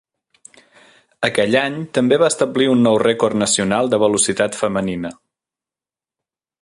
Aquell any també va establir un nou rècord nacional de velocitat femenina.